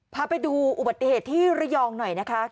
พาไปดูอุบัติเหตุที่ระยองหน่อยนะคะ